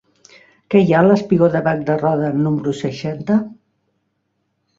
Què hi ha al espigó de Bac de Roda número seixanta?